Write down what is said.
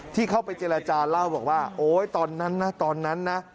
ที่เข้าไปเจรจาเล่าบอกว่าโอ๊ยตอนนั้นนะตอนนั้นนะ